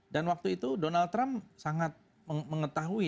dan waktu itu donald trump sangat mengetahui